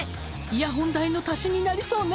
イヤホン代の足しになりそうね。